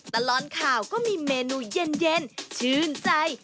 ตลอดข่าวก็มีเมนูเย็นชื่นใจ